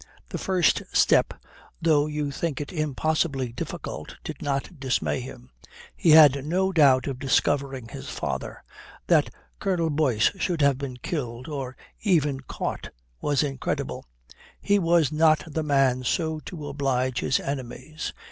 The first step, though you think it impossibly difficult, did not dismay him. He had no doubt of discovering his father. That Colonel Boyce should have been killed or even caught was incredible. He was not the man so to oblige his enemies.